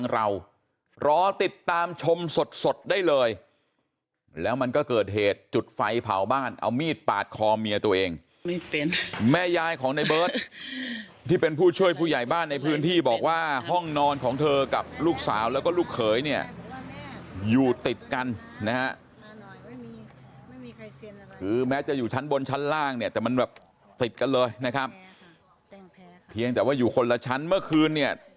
เรารอติดตามชมสดได้เลยแล้วมันก็เกิดเหตุจุดไฟเผาบ้านเอามีดปาดคอเมียตัวเองแม่ยายของในเบิร์ตที่เป็นผู้ช่วยผู้ใหญ่บ้านในพื้นที่บอกว่าห้องนอนของเธอกับลูกสาวแล้วก็ลูกเขยเนี่ยอยู่ติดกันนะฮะคือแม้จะอยู่ชั้นบนชั้นล่างเนี่ยแต่มันแบบติดกันเลยนะครับเพียงแต่ว่าอยู่คนละชั้นเมื่อคืนเนี่ย